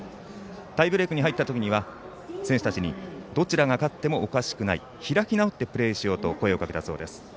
タイブレークに入った時には選手たちにどちらが勝ってもおかしくない開き直ってプレーしようと声をかけたそうです。